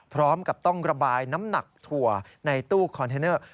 พร้อมกับต้องระบายน้ำหนักถั่วในตู้คอนเทนเนอร์